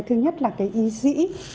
thứ nhất là cái y dĩ